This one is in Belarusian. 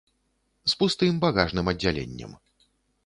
З пустым багажным аддзяленнем.